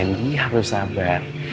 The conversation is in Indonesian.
fendi harus sabar